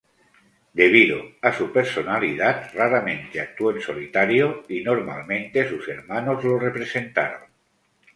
Debido a su personalidad, raramente actuó en solitario, y normalmente sus hermanos lo representaron.